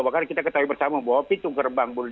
bahkan kita ketahui bersama bahwa pisau tersebut berubah